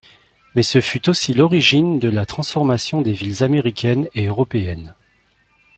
Mais ce fut aussi l’origine de la transformation des villes américaines et européennes.